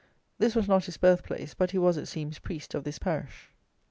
This was not his birth place; but he was, it seems, priest of this parish.